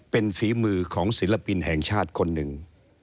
เป็นฝีมือของศิลปินแห่งชาติคนหนึ่ง